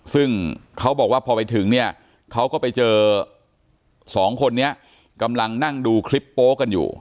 ซึ่งเขาบอกว่าพอไปถึงเนี่ยเขาก็ไปเจอสองคนนี้กำลังนั่งดูคลิปโป๊ะกันอยู่